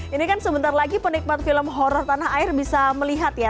ini kan sebentar lagi penikmat film horror tanah air bisa melihat ya